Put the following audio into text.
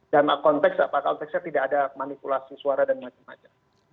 dan konteksnya tidak ada manipulasi suara dan macam macam